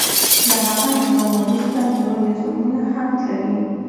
له هغه نظام وروسته نور نظامونه هم تللي.